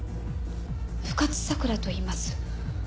深津さくらといいます。